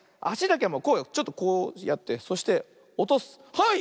はい！